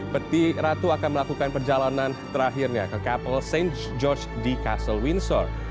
peti ratu akan melakukan perjalanan terakhirnya ke kapal st george di castle windsor